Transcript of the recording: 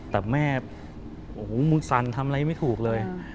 แต่แม่มุดสันทำอะไรไม่ถูกเลย